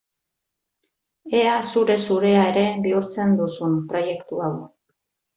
Ea zure-zurea ere bihurtzen duzun proiektu hau!